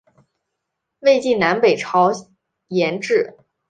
魏晋南北朝沿置。